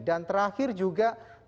dan terakhir juga tetap disiplin